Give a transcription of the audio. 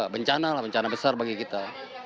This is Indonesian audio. bencana lah bencana besar bagi kita